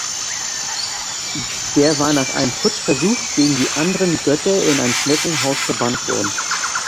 Der war nach einem Putschversuch gegen die anderen Götter in ein Schneckenhaus verbannt worden.